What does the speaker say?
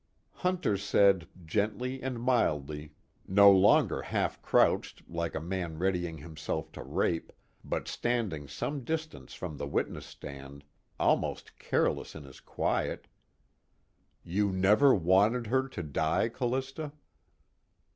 Hunter said, gently and mildly, no longer half crouched like a man readying himself to rape, but standing some distance from the witness stand, almost careless in his quiet "You never wanted her to die, Callista?"